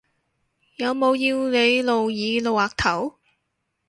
有冇要你露耳露額頭？